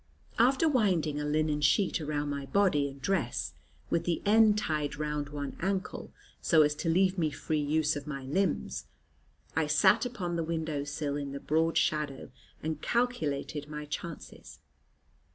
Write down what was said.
After winding a linen sheet around my body and dress, with the end tied round one ankle, so as to leave me free use of my limbs, I sat upon the window sill in the broad shadow, and calculated my chances.